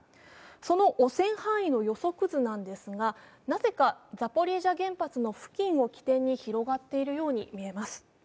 その汚染範囲の予測図なんですがなぜかザポリージャ原発付近を起点にして広がっているように見えます。